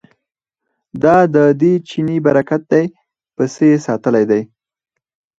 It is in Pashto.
دا ددې چیني برکت دی پسه یې ساتلی دی.